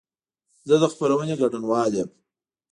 زه د خپرونې ګډونوال یم.